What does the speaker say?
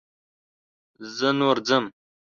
زه نور ځم.